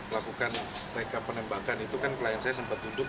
lakukan teka penembakan itu kan klien saya sempat duduk